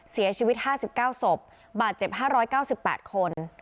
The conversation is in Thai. เสียชีวิตห้าสิบเก้าศพบาดเจ็บห้าร้อยเก้าสิบแปดคน